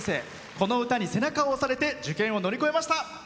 この歌に背中を押されて受験を乗り越えました。